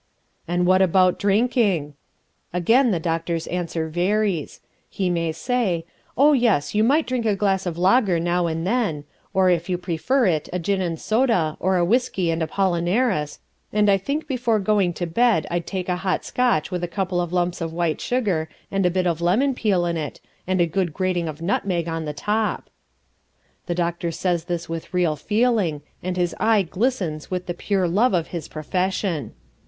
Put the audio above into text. "And what about drinking?" Again the doctor's answer varies. He may say: "Oh, yes, you might drink a glass of lager now and then, or, if you prefer it, a gin and soda or a whisky and Apollinaris, and I think before going to bed I'd take a hot Scotch with a couple of lumps of white sugar and bit of lemon peel in it and a good grating of nutmeg on the top." The doctor says this with real feeling, and his eye glistens with the pure love of his profession.